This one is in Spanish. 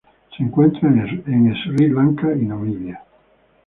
Se encuentra en Sri Lanka y Namibia.